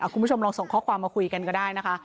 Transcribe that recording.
คุณผู้ชมลองส่งข้อความมาคุยกันก็ได้นะคะ